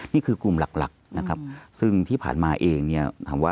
นี่คือกลุ่มหลักนะครับซึ่งที่ผ่านมาเองเนี่ย